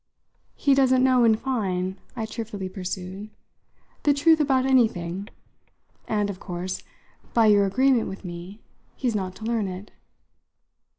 "He doesn't know, in fine," I cheerfully pursued, "the truth about anything. And of course, by your agreement with me, he's not to learn it."